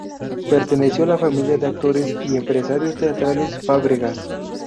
Perteneció a la familia de actores y empresarios teatrales Fábregas.